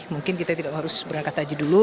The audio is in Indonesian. mungkin kita tidak harus berangkat haji dulu